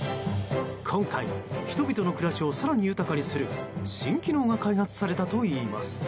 今回、人々の暮らしを更に豊かにする新機能が開発されたといいます。